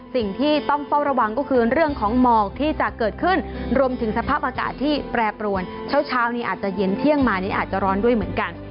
สิ่งที่ต้องเฝ้าระวังก็คือเรื่องของหมอกที่จะเกิดขึ้นรวมถึงสภาพอากาศที่แปรปรวนเช้านี้อาจจะเย็นเที่ยงมานี้อาจจะร้อนด้วยเหมือนกัน